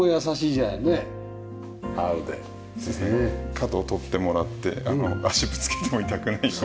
角を取ってもらって足ぶつけても痛くないように。